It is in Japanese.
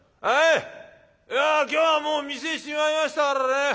「おい今日はもう店しまいましたからね。